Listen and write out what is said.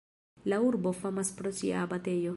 La urbo famas pro sia abatejo.